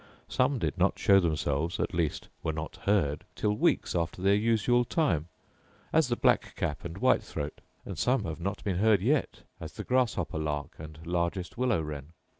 Some did not show themselves (at least were not heard) till weeks after their usual time; as the black cap and white throat; and some have not been heard yet, as the grasshopper lark and largest willow wren.